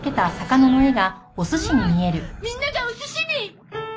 みんながお寿司に！